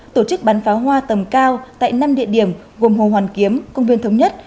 tổ chức bắn pháo hoa tầm cao tại năm địa điểm gồm hồ hoàn kiếm công viên thống nhất